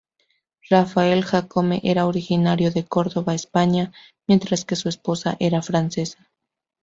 Rafael Jácome era originario de Córdoba España, mientras que su esposa era francesa.